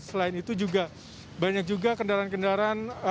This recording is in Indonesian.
selain itu juga banyak juga kendaraan kendaraan